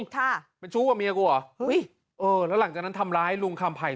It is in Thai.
ค่ะเป็นชู้กับเมียกูเหรอเฮ้ยเออแล้วหลังจากนั้นทำร้ายลุงคำไผ่